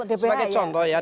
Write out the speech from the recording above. sebagai contoh ya